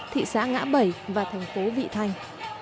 thị xã ngã bảy và thành phố vị thành